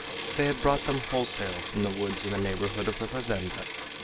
They had brought them wholesale from the woods in the neighborhood of the fazenda.